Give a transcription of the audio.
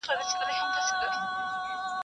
خراپه ښځه د بل ده.